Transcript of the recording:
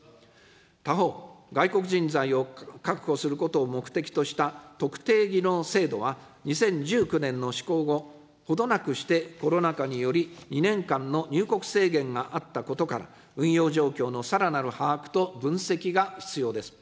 他方、外国人材を確保することを目的とした特定技能制度は、２０１９年の施行後、ほどなくしてコロナ禍により２年間の入国制限があったことから、運用状況のさらなる把握と分析が必要です。